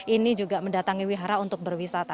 ini juga mendatangi wihara untuk berwisata